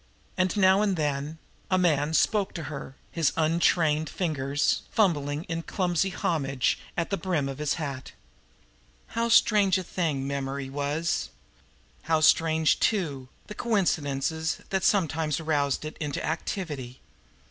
And now and then a man spoke to her his untrained fingers fumbling in clumsy homage at the brim of his hat. How strange a thing memory was! How strange, too, the coincidences that sometimes roused it into activity!